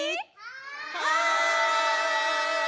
はい！